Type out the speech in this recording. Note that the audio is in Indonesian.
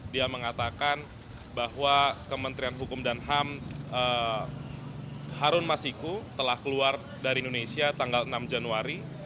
dia mengatakan bahwa kementerian hukum dan ham harun masiku telah keluar dari indonesia tanggal enam januari